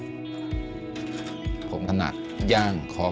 หนูอยากให้พ่อกับแม่หายเหนื่อยครับ